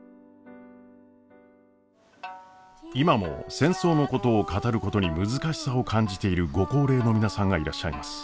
今も戦争のことを語ることに難しさを感じているご高齢の皆さんがいらっしゃいます。